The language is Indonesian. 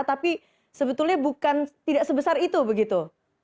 tapi sebetulnya bukan tidak sebesar itu begitu